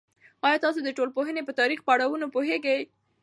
ایا تاسو د ټولنپوهنې په تاریخي پړاوونو پوهیږئ؟